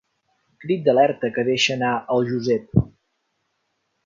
Crit d'alerta que deixa anar el Josep.